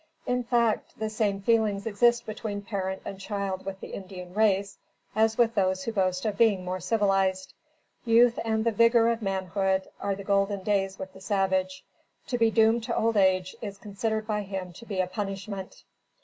In fact, the same feelings exist between parent and child with the Indian race, as with those who boast of being more civilized. Youth and the vigor of manhood, are the golden days with the savage. To be doomed to old age, is considered by him to be a punishment.